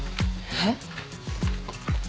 えっ？